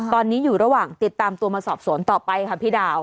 ตอนนี้อยู่ระหว่างติดตามตัวมาสอบสวนต่อไปค่ะพี่ดาว